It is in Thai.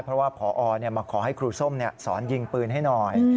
เพราะว่าพอมาขอให้ครูส้มสอนยิงปืนให้หน่อย